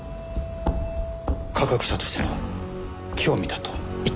科学者としての興味だと言ってました。